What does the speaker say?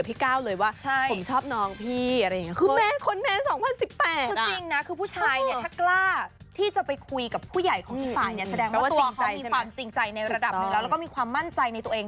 เพราะเขามีฝ่านแสดงว่าตัวเขามีฝั่งจริงใจในระดับเนื้อแล้วก็มีความมั่นใจในตัวเอง